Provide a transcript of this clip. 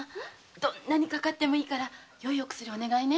どんなにかかってもいいから良い薬お願いね。